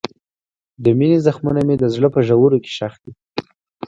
د مینې زخمونه مې د زړه په ژورو کې ښخ دي.